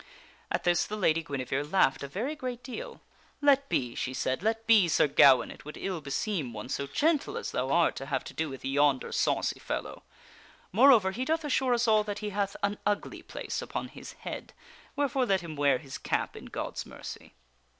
At this the Lady Guinevere laughed a very great deal. " Let be !" she said, " let be ! Sir Gawaine ! it would ill beseem one so gentle as thou art to have to do with yonder saucy fellow. Moreover, he doth assure us all that he hath an ugly place upon his head, wherefore let him wear his cap in God's mercy."